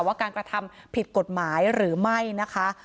ว่าการกระทำผิดกฎหมายหรือไม่นะคะ